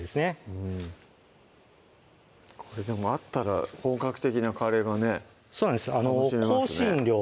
うんこれあったら本格的なカレーがね楽しめますね